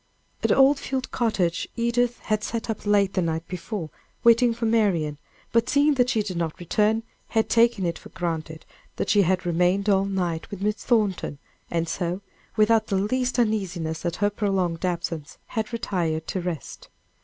At Old Field Cottage, Edith had sat up late the night before waiting for Marian; but, seeing that she did not return, had taken it for granted that she had remained all night with Miss Thornton, and so, without the least uneasiness at her prolonged absence, had retired to rest.